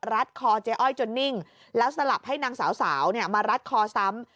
รัดคอเจ๊อ้อยจนนิ่งแล้วสลับให้นางสาวมารัดคอซ้ำ